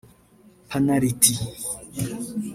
panaliti